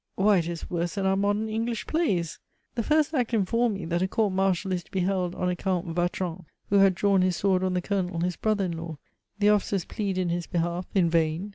why it is worse than our modern English plays! The first act informed me, that a court martial is to be held on a Count Vatron, who had drawn his sword on the Colonel, his brother in law. The officers plead in his behalf in vain!